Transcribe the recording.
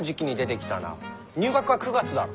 入学は９月だろ？